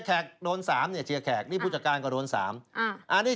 อันนี้พูจักการโดน๓ปี